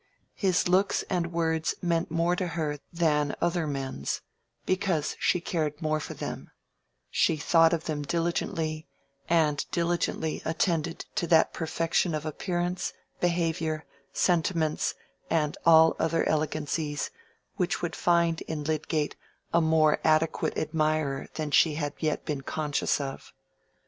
His looks and words meant more to her than other men's, because she cared more for them: she thought of them diligently, and diligently attended to that perfection of appearance, behavior, sentiments, and all other elegancies, which would find in Lydgate a more adequate admirer than she had yet been conscious of.